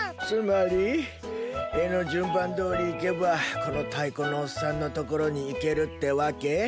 つまり絵の順番どおり行けばこの太鼓のおっさんのところに行けるってわけ？